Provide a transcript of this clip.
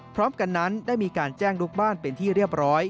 พร้อมกันนั้นได้มีการแจ้งลูกบ้านเป็นที่เรียบร้อย